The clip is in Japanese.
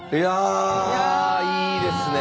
いやいいですね。